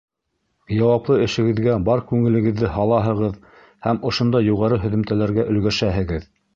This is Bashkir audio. Яуаплы эшегеҙгә бар күңелегеҙҙе һалаһығыҙ һәм ошондай юғары һөҙөмтәләргә өлгәшәһегеҙ.